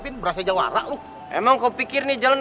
siapa berhasil juga siapkan si gulungan diyorum